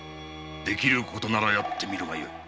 できることならやってみるがよい。